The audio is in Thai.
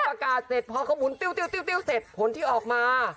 พ่อฟาตร้าเสร็จพ่อข้ามูลติ๊วเสร็จผลที่ออกมา